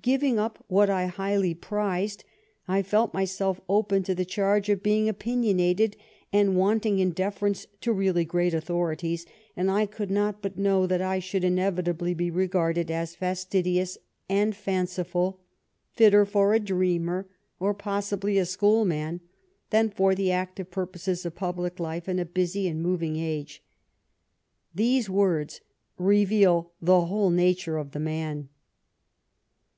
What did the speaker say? Giving up what I highly prized, ... I felt myself open to the charge of being opinionated and want ing in deference to really great authorities, and I could not but know that I should inevitably be regarded as fastidious and fanciful, fitter for a dreamer, or possibly a schoolman, than for the active purposes of public life in a busy and mov ing age." These words reveal the whole nature of the man.